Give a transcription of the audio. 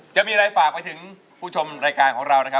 จะมีอะไรฝากไปถึงผู้ชมรายการของเรานะครับ